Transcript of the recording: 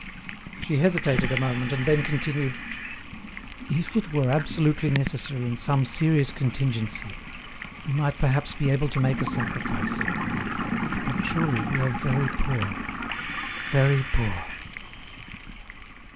She hesitated a moment, and then continued: "If it were absolutely necessary in some serious contingency, we might perhaps be able to make a sacrifice; but, truly, we are very poor, very poor!"